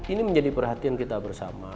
ini menjadi perhatian kita bersama